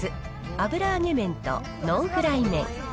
油揚げ麺とノンフライ麺。